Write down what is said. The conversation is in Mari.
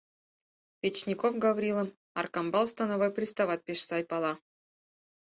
Печников Гаврилым Аркамбал становой пристават пеш сай пала.